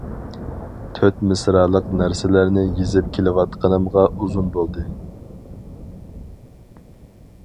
تۆت مىسرالىق نەرسىلەرنى يېزىپ كېلىۋاتقىنىمغا ئۇزۇن بولدى.